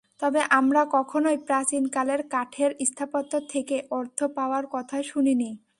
তবে আমরা কখনোই প্রাচীনকালের কাঠের স্থাপত্য থেকে অর্থ পাওয়ার কথা শুনিনি।